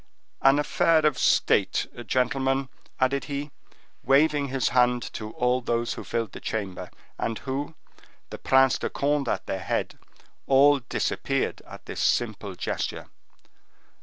An affair of state, gentlemen," added he, waving his hand to all who filled the chamber, and who, the Prince de Conde at their head, all disappeared at the simple gesture.